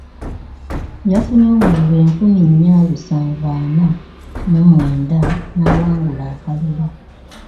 Yafunye obululu enkumi nnya lusanvu ana mu mwenda n'awangula akalulu.